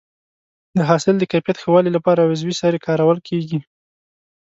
د حاصل د کیفیت ښه والي لپاره عضوي سرې کارول کېږي.